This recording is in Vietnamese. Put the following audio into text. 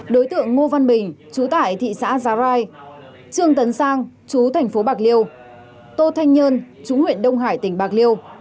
đối tượng ngô văn bình chú tại thị xã giá rai trương tấn sang chú thành phố bạc liêu tô thanh nhơn chú huyện đông hải tỉnh bạc liêu